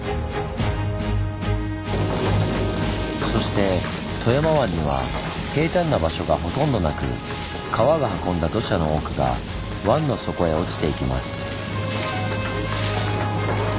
そして富山湾には平たんな場所がほとんどなく川が運んだ土砂の多くが湾の底へ落ちていきます。